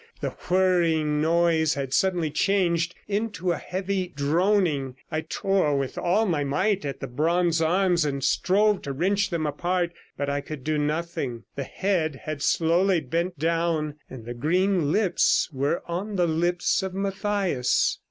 The whirring noise had suddenly changed into a heavy droning. I tore with all my might at the bronze arms, and strove to wrench them apart, but I could do nothing. The head had slowly bent down, and the green lips were on the lips of Mathias.